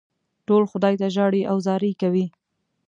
ټول خدای ته ژاړي او زارۍ کوي.